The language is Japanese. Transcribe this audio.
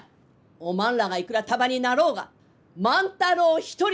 おまんらがいくら束になろうが万太郎一人にはかなわん！